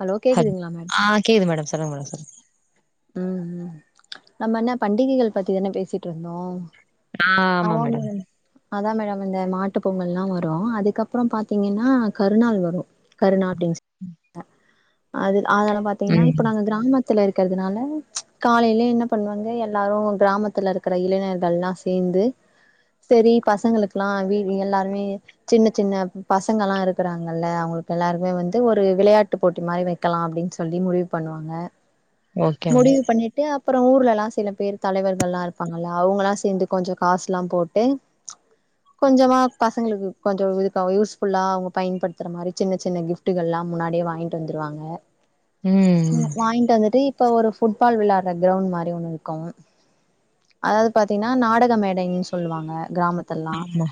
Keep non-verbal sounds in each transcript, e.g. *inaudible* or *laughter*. Hello கேக்குதுங்களா ma'am ஆ கேக்குது மேடம் சொல்லுங்க மேடம் ம் ம் நம்ம என்ன பண்டிகைகள் பத்தி தானே பேசிட்ருந்தோ ஆ ஆமா மேடம் அதா மேடம் இந்த மாட்டு பொங்கல்லா வரு அதுகப்ற பாத்தீங்கன்னா கருநாள் வரு கருணா அப்டின் *inaudible* அது அதெல்லா பாத்தீங்கனா ம் இப்ப நாங்க கிராமத் துல இருக்கறதுனால காலேலே என்ன பண்வாங்க எல்லாரு கிராமத்துல இருக்குற இளைஞர்கள்லா சேந்து செரி பசங்களுக்குலா வீ எல்லாருமே சின்ன சின்ன பசங்கலா இருக்குறாங்கல்ல அவுங்களுக் எல்லாருக்குமே வந்து ஒரு விளையாட்டு போட்டி மாரி வை க்கலா அப்டின் சொல்லி முடிவு பண்ணுவாங்க ஓகே மேடம் முடிவு பண்ணிட்டு அப்பறோ ஊர்லலா சில பேர் தலைவர்கள்லா இருப்பாங்கல்ல அவுங்களா சேந்து கொஞ்ச காஸ்லா போட்டு கொஞ்சமா பசங்ளுக்கு கொஞ்ச இதுக்கா யூஸ்ஃபுல்லா அவுங்க பயன்படுத்துற மாரி சின்ன சின்ன கிஃப்ட் ட்டுகள்லா முன்னாடியே வாங்கிட்டு வந்துருவாங்க ம் ம் வாங்கிட்டு வந்துட்டு இப்ப ஒரு ஃபுட்பால் விளாட்ற க்ரௌண்ட் மாரி ஒண்ணு இருக்கு அதாவது பாத்தீங்கனா நாடக மே டைன் சொல்லுவாங்க கிராமத்துலலா ஆமா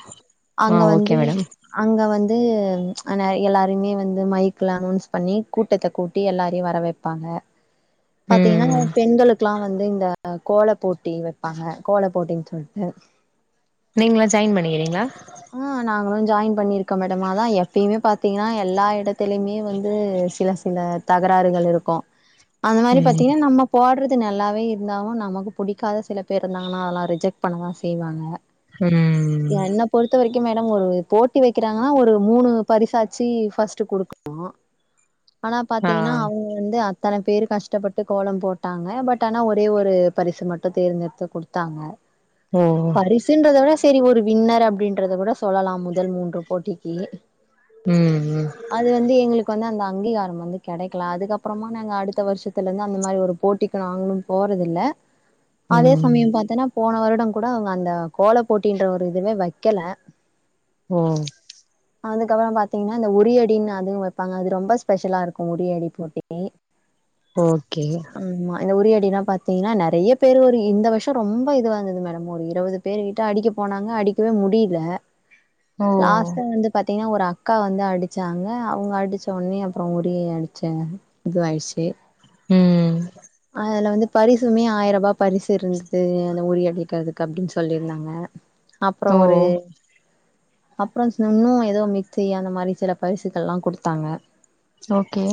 ஆ அங்க ஓகே வந்து மேடம் அங்க வந்து ஆ நெறை எல்லாருமே வந்து மைக்ல அனௌன்ஸ் பண்ணி கூட் டத்த கூட்டி எல்லாரயு வர வெப்பாங்க பாத்தீங்கனா ம் பெண்களுக்குலா வந்து இந்த கோல போட்டி வெப்பாங்க கோல போட்டின் சொல் அ நீங்க ஜாயின் பண்ணிக்கிறீங்களா ஆ நாங்களும் ஜாயின் பண்ணிருக்கோ மேடம் அதா எப்பயுமே பாத்தீங்கன்னா எல்லா இடத்தலயுமே வந்து சில ல்ல தகராறுகள் இருக்கு அந்த மாரி ம் பாத்தீங்கன்னா நம்ம போட்றது நல்லாவே இருந்தாலு நமக்கு பிடிக்காத சில பேர் இருந்தாங்கன்னா அதெல்லா ரிஜெக்ட் பண்ணதா செய்வாங்க ம் என்ன பொறுத்த வரைக்கும் மேடம் ஒரு போட்டி வைக்கிறாங்கன்னா ஒரு மூணு பரிசாச்சு ஃபர்ஸ்ட்டு குடுக்கணு ஆனா ஆ பாத்தீங்கன்னா அவுங் க வந்து அத்தன பேர் கஷ்டப்பட்டு கோலம் போட்டாங்க பட் ஆனா ஒரே ஒரு பரிசு மட்டு தேர்ந்தெடுத்து குடுத் தாங்க ஓ பரிசுன்றத விட செரி ஒரு வின்னர் அப் ப்டின்றத கூட சொல்லலா முதல் மூன்று போட்டிக்கு ம்ம் அது வந்து எங்களுக்கு வந்து அந்த அங்கீகாரம் வந்து கிடைக்கல அதுக்கப்புறமா நாங்க அடுத்த வருஷத்துல இருந்து அந்த மாரி ஒரு போட்டி க்கு நாங்களும் போறதில்ல ம் அதே ம் சமயம் பாத்தேன்னா போன வருடம் கூட அவங்க அந்த கோல போட்டின்ற ஒரு இதுவே வைக்கல ம் அதுக்கப்புறம் பாத்தீங்கன்னா இந்த உரி அடின்னு அதுவு வைப்பாங்க அது ரொம்ப ஸ்பெஷலா இருக்கு உரியடி போட்டி ஓகே மா இந்த உரிய அடினா பாத்தீங்னா பேரு ஒரு வருஷம் ரொம்ப இது வா இருந்தது மேடம் ஒரு இருபது பேரு கிட்ட அடிக்க போனாங்க அடிக்கவே முடில ஒ ஃபர்ஸ்ட் வந்து பாத்தீங்கன்னா ஒரு அக்கா வந்து அடிச்சாங்க அவங்க அடிச்ச உன்னே அப்ரோ உரிய அடிச்சாங்க இது ஆயிடுச்சே ம் அதுல வந்து பரிசுமே ஆயிர ரூபாப் பரிசு இருந்தது அந்த உறி அடைக்கிறதுக்கு அப்டின்னு சொல்லியிருந்தாங்க அப்ரோ ஓ ஒரு அப்ரோ இன்னு ஏதோ மிக்ஸ் செய்ய சுன்னோ எதோ மிக்ஸ் செய்ய அந்த மாரி சில பரிசுகள் எல்லா குடுத்தாங்க ஓகே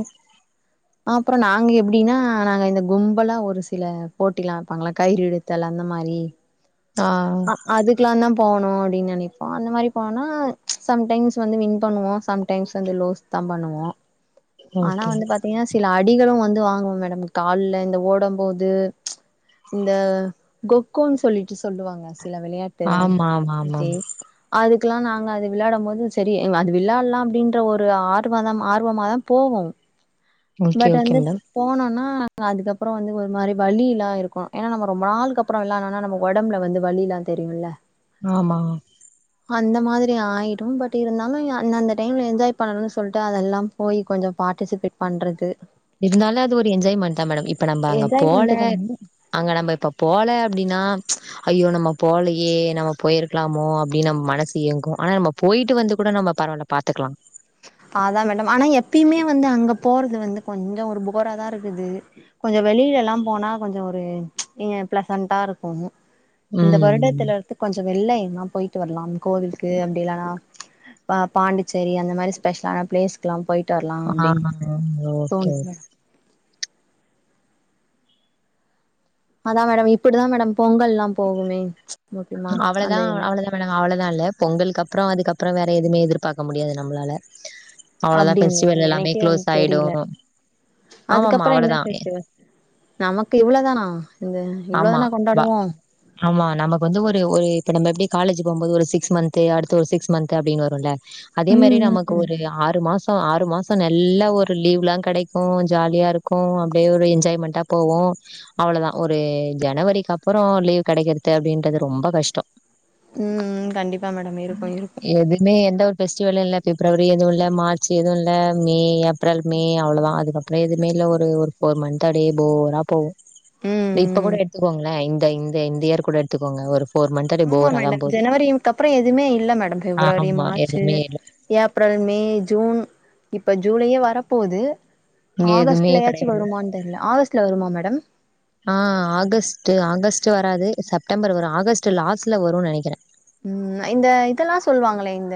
அப்ரோ நாங்க எப்டின்னா நாங்க இந்த கும்பெல்லாய ஒரு சில போட்டிலா வப்பாங்களக் கயிறு இழு தல அந்த மாரி தா அதுக்கிலாநம் போனு அப்டின்னு நனைப்போ அந்த மாரி போனா சம்டைம்ஸ் வந்து வின் பண்ணுவோ சம்டைம்ஸ் வந்து லோஸ் தம் பண்ணுவோ ஆனா ஓகே வந்து பாத்தீங்னா சில அடிகளு வந்து வாங்குவ மேடம் கால்ல இந்த ஓடம் போது இந்த கொக்கோன்னு சொல்லிட்டு சொல்லுவாங்க சில விளையாட் ஆமா ஆமா ஆமா ஆமா அதுக்கில்லா நாங்க அது விளையாடம் போது சரி ங் அது விளையாடலாம் அப்டின்ற ஒரு ஆர்வதம் ஆர்வ மாதம் போமோம் ஓகே பட் ஓகே வந்து மேடம் போனோன்னா நா அதுக்கப்ரோன வந்து ஒரு மாரி வழி இலா இருக்கு ஏனா நம்ம ரொம்ப நாளுக்கு அப்ரோ இல்லனனா நம்மோ உடம்புல வந்து வழியிலா தெரியுமில்ல ஆமா அந்த மாதிரி ஆயிடும் பட் இருந்தாலு அந்த அந்த டைம்ல என்ஜாய் பண்ணணுன்னு சொல்டா அதெல்லாம் போய் கொஞ்சோ பார்ட்டிசிபேட் பண்றது இருந்தாலு அது ஒரு என்ஜாய்மெண்ட் தா மேடம் இப்ப நம்ம அங்க போல என்ஜாய்மெண்ட்டு தான அங்க நம்ம இப்ப போல அப்டினா ஐயோ நம்ம போலயே நம்ம போயிருக்கலாமோ அப்டின்னு நம்ம மனசு ஏங்கு ஆனா நம்ம போயிட்டு வந்து கூட நம்ம பரவாலப் பாத்துக்கிலா அதா மேடம் ஆனா எப்பியுமே வந்து அங்க போறது வந்து கொஞ்சோ ஒரு போரா தா இருக்குது கொஞ்சோ வெளிலலா போனா கொஞ்சோ ஒரு இங்க பிளசன்டா இருக்கு இந்த ம் வருடத்திலருந்து கொஞ்சோ வெள்ள எங்னா போயிட்டு வரலா கோவிலுக்கு அப்டி இல்லனா பா பாண்டிச்சேரி அந்த மாரி ஸ்பெஷ்லான பிளேஸ்க்லா போயிட்டு வரலா ஆ அப்டினு ஓகே தோணுது மேடம் அதா மேடம் இப்டிதா மேடம் பொங்கல்லா போகுமே முக்கியமா அவ்ளதா அந்த என்ன அவ்ளதா அவ்ளதா இல்ல பொங்கலுக்கப்ரோ அதுக்கப்பரோ வேற எதுமே எதிர்பார்க்க முடியாது நம்ளால அவ்ளதா அப்டிங்களா ஃபெஸ்டிவல் எல்லாமே எனக்கே வந்து க்ளோஸ் ஆயிடு தெரில ஆமாமா அதுக்கப்றோ என்ன அவ்ளதா ஃபெஸ்டிவல் நமக்கு இவள தானா இந்த இவ்ளோ ஆமா தானா கொண்டாடுவோ ஆமா நமக்கு வந்து ஒரு ஒரு இப்ப நம்ம எப்டி காலேஜ் போபோது ஒரு சிக்ஸ் மந்த் அடுத்து ஒரு சிக்ஸ் மந்த் மந்த் அப்டின்னு வருல்ல அதே மாரி ம் நமக்கு ம் ஒரு ஆறு மாஸ் ஆறு மாசோ நல்ல ஒரு லீவ்லா கெடைக்கு ஜாலியா இருக்கு அப்டியே ஒரு என்ஜாய்மெண்ட்டா போவோ அவ்ளதா ஒரு ஜனவரிக்கு அப்பறோ லீவ் கெடைக்றது அப்டின்றது ரொம்ப கஷ்டோ ம் ம் கண்டிப் எதுமே எந்த ஒரு ஃபெஸ்டிவல் இல்ல பிப்ரவரி எது இல்ல மார்ச் எது இல்ல மே ஏப்ரல் மே அவ்ளோதா அதுக்கப் றமே எதுமேல்ல ஒரு ஒரு ஃபோர் மந்த்து அப்டியே ஃபோரா போவு ம் இப்ப கூட ம் எடுத்துக்கோங்ளே இந்த இந்த இந்த இயர்கூட எடுத்துக்கோங்க ஒரு ஒரு மந்த் அப்டியே போராதா போது அதுகப்றோ எதுமே இல்ல மேடம் பிப்ரவரி ஆமா. மார்ச்சு எதுவுமே இல்ல. ஏப்ரல் மே ஜூன் இப்போ ஜூலையே வரப்போது இங்க எதுவுமே ஆகஸ்ட்லயாச்சு கெடையாது. வருமான் தெரில ஆகஸ்ட்ல வருமா மேடம் அ ஆகஸ்ட்டு ஆகஸ்ட்டு வராது செப்டம்பரு வரு ஆகஸ்ட் லாஸ்ட்ல வரு நெனைக்கிறே ம் இந்த இதெல்லா சொல்லுவாங்ளே இந்த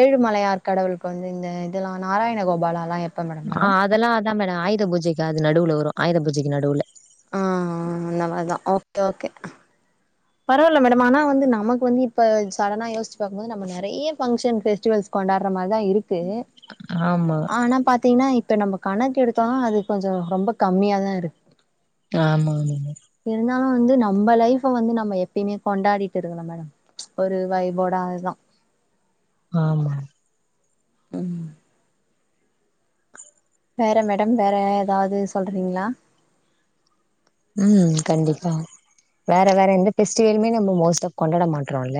ஏழுமலையார் கடவுளுக்கு வந்து இந்த இதெலா நாராயண கோபால்லாலா எப் அ அதெல்லா அதா மேடோ ஆயுத பூஜைக்கு அது நடுவுல வரு ஆயுத பூஜைக்கு நடுவுல ஆ அந்த மாரிதா ஓகே ஓகே பரவால்ல மேடம் ஆனா வந்து நமக்கு வந்து இப்ப சடனா யோசிச்சு பாக்கபோது நம்ம நெறைய ஃபங்க்ஷன் ஃபெஸ்டிவல்ஸ் கொண்டாட்ற மாரிதா இருக்கு ஆமா ஆனா பாத்தீங்னா இப்ப நம்ம கணக்கு எடுத்தோனா அது கொஞ்சொ ரொம்ப கம்மியா தா இருக்கு ஆமா ஆமா மா இருந்தாலு வந்து நம்ம லைஃவ்வ வந்து நம்ம நம்ம எப்பியுமே கொண்டாடிட்டு இருக்கனு மேடம் ஒரு வைபோட அதுதா ஆமா ம் வேற மேடம் வேற ஏதாது சொல்றீங்ளா ம் கண்டிப்பா வேற வேற எந்த பெஸ்டிவலுமே நம்ம மோஸ்ட் ஆப் கொண்டாட மாட்றோல்ல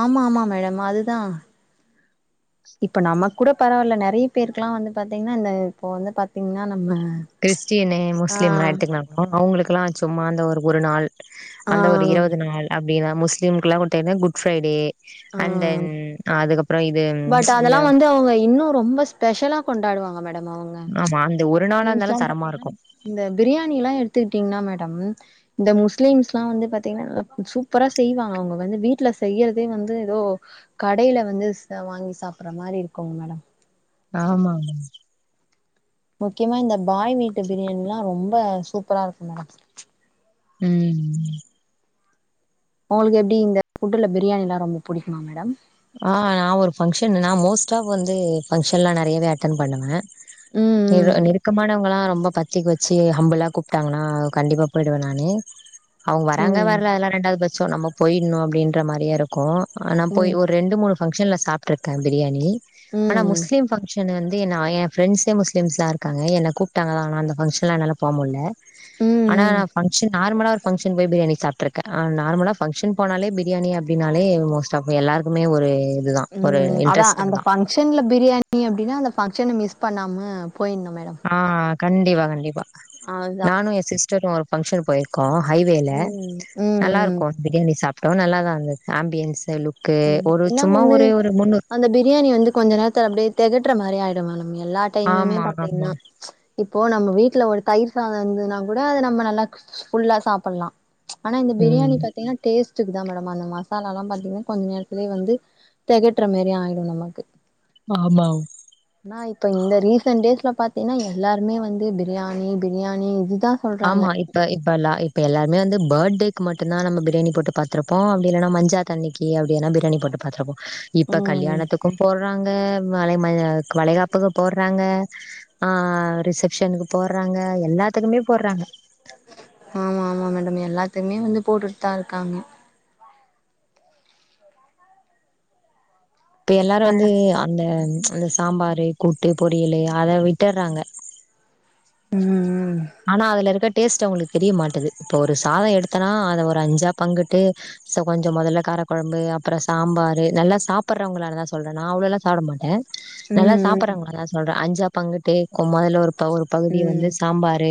ஆமா ஆமாமா மேடம் அதுதா இப்ப நமக் கூட பரவால்ல நெறைய பேருக்லா வந்து பாத்திங்ன்னா இந்த இப்போ வந்து பாத்திங்ன்னா நம்ம கிறிஸ்டினு ஆ முஸ்லீம்லா எடுத்துக்னா கூட அவுங்ளுக்லா சும்மா அந்த ஒரு ஒரு நாள் ஆ அந்த ஒரு இருவது நாள் அப்டிதா முஸ்லீம்க்லா உட்டைனா குட் ஃபிரைடே ஆ அண்ட் தென் அதுக்கப்றோ இப் பட் அதெல்லா வந்து அவுங்க இன்னு ரொம்ப ஸ்பெஷலா கொண்டாடுவாங்க மேடம் அவுங்க ஆமா அந்த ஒரு நாளா கேள்ஸ்ல்லா இருந்தாலும் தரமா இருக்கும். பாத்திங்ன்னா இந்த பிரியாணி எல்லா எடுத்துக்கிட்டீங்ன்னா மேடம் இந்த முஸ்லிம்ஸ்ல்லா வந்து பாத்திங்ன்னா நல்லா சூப்பரா செய்வாங்க அவுங்க வந்து வீட்ல செய்றதே வந்து ஏதோ கடையில வந்து வாங்கி சாப்புட்ற மாதிரி இருக்குங் மேடம் ஆமா முக்கியமா இந்த பாய் வீட்டு பிரியாணில்லா ரொம்ப சூப்பரா இருக்கு மேடம் ம் உங்ளுக்கு எப்டி இந்த ஃபுட்டுல பிரியாணில்லா ரொம்ப புடிக்குமா மேடம் ஆ நா ஒரு ஃபங்க்ஷன் நா மோஸ்ட் ஆஃப் வந்து ஃபங்கஷன் எல்லா நறையவே அட்டன் பண்ணுவே ம் நெருக்கமானவங்கள ரொம்ப பத் பத்திரிக வச்சு ஹம்புளா கூப்ட்டாங்கன்னா கண்டிப்பா பொய்டுவே நானு அவுங்க வராங்க ம் வரல அதெல்லா ரெண்டாவது பட்சோ நம்ம பொயிட்ணு அப்டின்ற மாரியை இருக்கு ஆனா போய் ம் ம் ஒரு ரெண்டு மூணு பங்க்ஷன்ல சாப்ட்டுருக்கே பிரியாணி ஆனா ம் முஸ்லீம் ஃபங்க்ஷன் வந்து எ ஃப்ரெண்டஸ்ஸே முஸ்லீஸ்ல்லா இருக்காங்க என்ன கூப்ட்டாங்கதான் ஆன அந்த ஃபங்க்ஷன்லா என்னால போக முடில ம் ஆனா ம் நா ம் பங்க்ஷன் நார்மல ஒரு ஃபங்க்ஷன் போய் பிரியாணி சாப்ட்ருக் நார்மலா ஃபங்க்ஷன் போனாலே பிரியாணி அப்டின்னாலே மோஸ்ட் ஆஃப் எல்லாருக்குமே ஒரு இதுதா ஒரு ம் அதா அந்த இன்ட்ரெஸ்டிங்குதா ஃபங்க்ஷன்ல பிரியாணி அப்டினா அந்த ஃபங்க்ஷன மிஸ் பண்ணாம போய்ணு மேடம் ஆ கண்டிப்பா கண்டிப்பா அதுதா நானு எ சிஸ்டரு ஒரு ஃபங்க்ஷன் போயிருக்கோ ஹைவேல ம் ம் நல்லா ம் இருக்கு பிரியாணி சாப் பாடு நல்லாதா இருந்தது ஆம்பியன்ஸு லுக்கு ம் ஒரு இன்னா சும்மா ஒண்ணு ஒரு ஒரு முந்நூற் அந்த பிரியாணி வந்து கொஞ்ச நேரத்துல அப்டியே தெகட்ற மாரி ஆயிடு மேம் எல்லா டைமுமே ஆமா பாத்தீங்ன்னா ஆமா இப்போ நம்ம வீட்ல ஒரு தயிர் சாதோ இந்துனா கூட அத நம்ம நல்லா ஃபுல்லா சாப்பல்லா ஆனா இந்த பிரியாணி ம் பாத்தீஙன்னா டேஸ்டுக்குதா மேடம் அந்த மசாலாலா பாத்தீங்ன்னா கொஞ்ச நேரத்திலே வந்து தெகட்ற மாரி ஆயிடு நமக்கு ஆமா ஆனா இப்ப இந்த ரீசன் டேஸ்ல பாத்தீங்ன்னா எல்லாருமே வந்து பிரியாணி பிரியாணி இதுதா சொல்றாங்க ஆமா இப்ப இப்ப எல்லா இப் இப்ப எல்லாருமே வந்து பேட்டேக்கு மட்டுந்தா நம்ம பிரியணி போட்டு பாத்துருப்போ அப்டி இல்லனா மஞ்சாதண்ணிக்கு அப்டினா பிரியணி போட்டு பாத்துருப்போ இப்ப ம் கல்யாணத்துக்கு போட்றாங்க வளை மய வளைகாப்புக்கு போட்றாங்க ஆ ரிசப்ஷனுக்கு போட்றாங்க எல்லாத்துக்குமே போட்றாங்க ஆமா ஆமா மேடம் எல்லாத்துக்மே வந்து போட்டுட்தா இருக்காங்க இப்ப எல்லாரு வேற வந்து அந்த அந்த சாம்பாரு கூட்டு பொரியலு அத விட்டறாங்க ம் ம் ஆனா அதுல இருக்க டேஸ்ட்டு அவுங்களுக்கு தெரிய மாட்டது இப்ப ஒரு சாதோ எடுத்தனா அத ஒரு அஞ்சா பங்குட்டு ச கொஞ்சோ மொதல்ல காரக்கொழம்பு அப்புறோ சாம்பாரு நல்லா சாப்பிறவங்களாலதா சொல்றே நா அவ்ளோளா சாப்ட மாட்டே நல்லா ம் சாப்பிட்றாங்கல்லா சொல்றே அஞ்சா பங்குட்டு கொ மொதுல ஒரு ஒரு பகுதிய ம் வந்து ம் சாம்பா ரு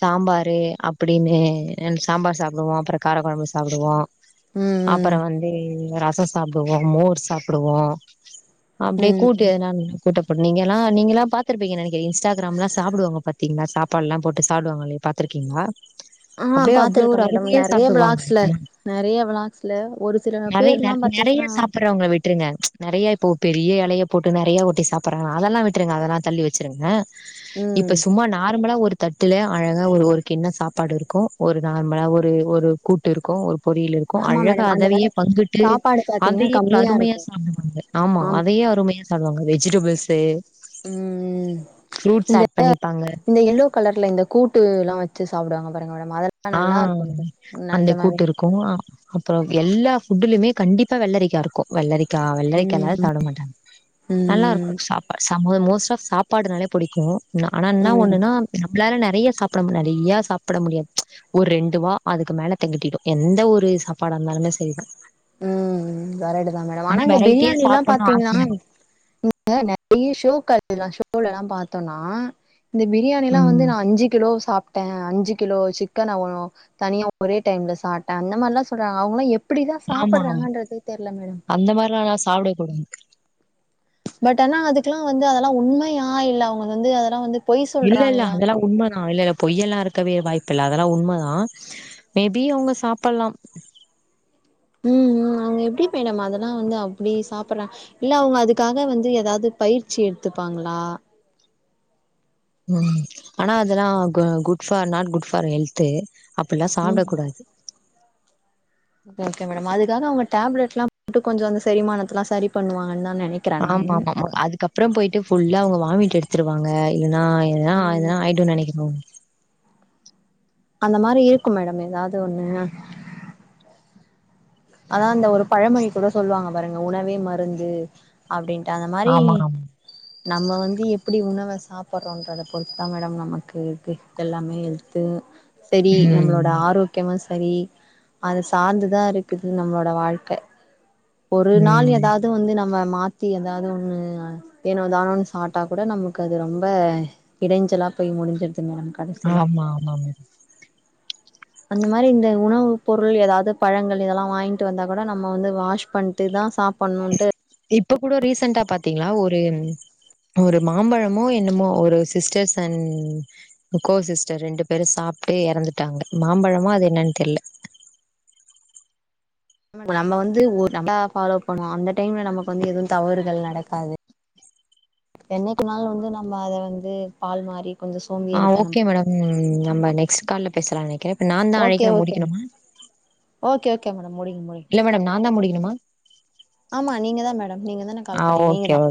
சாம்பாரு அப்புடீனு ரெண்டு சாம்பார் சாப்டுவோ அப்புறோ காரக்கொழம்பு சாப்பிடுவோ ம் அப்பறோ ம் வந்து ரசோ சாப்டுவோ மோர் சாப்புடுவோ அப்டியே கூட்டு ம் எதனா கூட்டப் நீங்க எல்லா நீங்கலாக பாத்துருப்பீங்க நெனக்கிறே இன்ஸ்டாகிராம்லா சாப்புடுவங்க பாத் தீங்ளா சாப்பாட்லா போட்டு சாப்டுவாங்களே பாத்துருக்கீங்ளா ஆ அப்படயே அவ்ளோ பாத்துருக்கே ஒரு மேடம் அருமியா *unintelligible* நெறைய விளாக்ஸ்ல சாப்டுவாங்க நெறைய விளாக்ஸ்ல ஒரு சில நறய் நற பேர்லா நெறைய பாத்தீங்கன்னா சாப் பறவங்க விட் டுருங்க நெறைய இப்போ பெரிய எலைய போட்டு நெறைய ஊத்தி சாப்பிற்ற அதெல்லா விட்ருங்க அதெல்லா தள்ளி வெச்சுருங்க ம் இப்ப சும்மா நார் மலா ஒரு தட்டுல அழகா ஒரு ஒரு கிண்ணோ சாப்பாடு இருக்கு ஒரு நார்மலா ஒரு ஒரு கூட்டு இருக்கு ஒரு பொரியல் இருக்கு ஆமா அழகா மேடம் அந்த அதவையே பங்கிட்டு சாப்பாடு பாத்தீங்கன்னா அதையே ஒரு கம்மியா அருமையா இருக்கு சாப்டுவாங்க ஆமா அதையே அருமையா சாப் சாப்டுவாங்க வெஜிடபிள்ஸு ம் ஃப்ரூட்ஸ் இந்த ஆட் பண்ணிப்பாங்க இந்த எல்லோ கலர்ல இந்த கூட்டு எல்லா வெச்சு சாப்பிடுவாங்க பாருங்க மேடம் அதெ லா நல்லா இருக்கு மேடம் நெஜமாவே க்கு அப்புறோ எல்லா ஃபுட்டுலயுமே கண்டிப்பா வெள்ளரிக்கா இருக்கு வெள்ளரிக்கா வெள்ளரிக்கா ம் இல்லாத ம் சாப்ட மாட்டாங்க நல்லா ம் இரு சாப்பாடு ச மோ மோஸ்ட்டா சாப்பாடுனாலே பிடிக்கு ஆனா இன்னா ம் ஒண்ணுனா நம்மளால நெறைய சாப்பிட முடியா நெறைய சாப்பிட முடியாது ஒரு ரெண்டு வா அதுக்கு மேல தெகட்டிடு எந்த ஒரு சாப்பாடாந்தாலுமே செரிதா ம் ம் கரைட்டுதா மேடம் ஆனா இந்த வெரைட்டியா பிரியாணில்லா சாப்பிடணும் பாத்தீங்னா ஆசையா நெறைய ஷோ *unintelligible* ஷோலலா பாத்தோனா இந்த பிரியாணி இருக்கும் எல்லா வந்து ம் நா அஞ்சு கிலோ சாப்ட்டே அஞ்சு கிலோ சிக்கன நா ஒ தனியா ஒரே டைம்ல சாப்ட்டே அந்த மார்லா சொல்றாங்க அவுங்களா எப்படிதா ஆமா ஆமா சாப்பிட்றாங்கன்றதே தெர்ல மேடம் அந்த மார்லா நா சாப்ட கூடாது பட் ஆனா அதுக்லா வந்து அதெல்லா உண்மையா இல்ல அவுங்க வந்து அதெல்லா வந்து பொய் இல்லல்ல சொல்றாங்களா அதெல்லா உண்ம தா இல்ல பொய்யெல்லா இருக்கவே வாய்ப்பு இல்ல அதெல்லா உண்மதா மேபி அவுங்க சாப்பல்லா அவூங்க எப்டி மேடம் அதெல்லா வந்து அப்டி சாப்பர்ற இல்ல அவுங்க அதுக்காக வந்து ஏதாவது பயிற்சி எடுத்துப்பாங்ளா ம் ஆனா அதெல்லா அ good for not good for health அப்பல்லா சாப்ட கூடாது ஓகே ஓகே மேடம் அதுக்காக அவுங்க டேப்லெட்லா போட்டு கொஞ்ச அந்த செரிமானத்துலா செரி பண்ணுவாங்கன் தா நெனைக் ஆமாமாமா அதுக்கப்றோம் போயிட்டு ஃபுல்லா அவுங்க வாமிட் எடுத்துருவாங்க இல்ன்னா இதுனா ம் எதுனா ஆயிடுன் நெனைக்கிறங்க அந்த மாரி இருக்கு மேடம் ஏதாவது ஒண்ணு அதா அந்த ஒரு பழமொழி கூட சொல்லுவாங்க பாருங்க உணவே மருந்து அப்டின்ட்டு அந்த மாரி ஆமா, ஆமா. நம்ம வந்து எப்டி உணவ சாப்பர்றோன்றத பொறுத்துதா மேடம் நமக்கு இது எல்லாமே ஹெல்து செரி நம்மளோட ம். ஆரோக்கியமு செரி அத சார்ந்துதா இருக்குது நம்ளோட வாழ்க்க ஒரு நாள் ம். ஏதாவது வந்து நம்ம மாத்தி ஏதாவது ஒண்ணு ஏனோ தானோன் சாப்ட்டா கூட நமக்கு அது ரொம்ப இடைஞ்சலா போய் முடிஞ்சுருது மேடம் கடைசில ஆமா ஆமாங்க அந்த மாரி இந்த உணவு பொருள் ஏதாவது பழங்கள் இதெல்லா வாங்கிட்டு வந்தா கூட நம்ம வந்து வாஷ் பண்ட்டுதா சாப் பன்னுன்ட்டு இப்ப கூட ரீசன்டா பாத்தீங்ளா ஒரு ஒரு மாம்பழமோ என்னமோ ஒரு சிஸ்டர்ஸ் அண்ட் கோ சிஸ்டர் ரெண்டு பேரு சாப்ட்டு இறந்துட்டாங்க மாம்பழமா அது என்னன் தெர்ல நம்ம வந்து ஒரு கரெக்ட்டா ஃபாலோ பண்ணுவோ அந்த டைம்ல நமக்கு வந்து எது தவறுகள் நடக்காது என்னைக்கு நாள் வந்து நம்ம அத வந்து பால் மாரி கொஞ்ச சோம்பேரி தனம் ம் ம் நம்ம நெக்ஸ்ட் கால்ல பேசலா நெனைக்கிறே ஓகே ஓகேங் ஓகே ஓகே மேடம் முடிங் முடிங் இல்ல மேடம் நான் தான் முடிக்கணுமா? ஆமா நீங்க தா மேடம் நீங்க தானே ஆ கால் பண்ணீங்க நீங்க ஓகே, தா ஓகே.